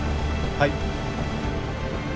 はい。